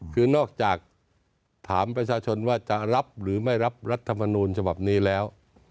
คือนอกจากถามประชาชนว่าจะรับหรือไม่รับรัฐมนูลฉบับนี้แล้ว